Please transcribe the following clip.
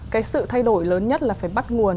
cái sự thay đổi lớn nhất là phải bắt nguồn